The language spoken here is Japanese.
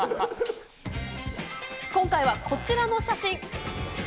今回はこちらの写真。